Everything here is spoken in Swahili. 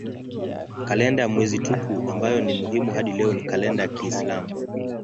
Kalenda ya mwezi tupu ambayo ni muhimu hadi leo ni kalenda ya kiislamu.